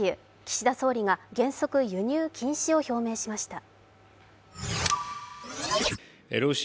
岸田総理が原則輸入禁止を表明しました。